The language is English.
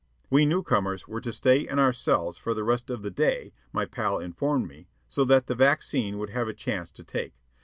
We newcomers were to stay in our cells for the rest of the day, my pal informed me, so that the vaccine would have a chance to take.